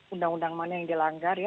undang undang mana yang dilanggar ya